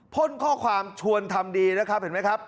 พ่นข้อความชวนทำดีนะครับเห็นไหมครับ